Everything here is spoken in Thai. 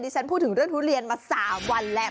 ฉันพูดถึงเรื่องทุเรียนมา๓วันแล้ว